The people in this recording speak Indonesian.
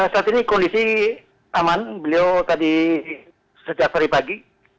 saat ini kondisi aman beliau tadi sejak hari pagi